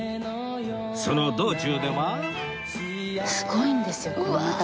その道中では